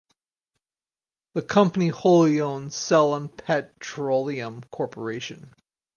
The company wholly owns Ceylon Petroleum Corporation.